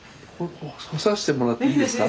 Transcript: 干さしてもらっていいですか？